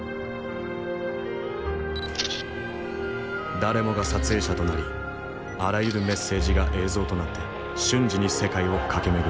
誰もが撮影者となりあらゆるメッセージが映像となって瞬時に世界を駆け巡る。